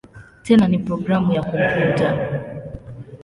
Tena ni programu ya kompyuta.